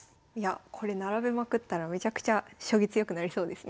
これ並べまくったらめちゃくちゃ将棋強くなりそうですね。